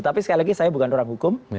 tapi sekali lagi saya bukan orang hukum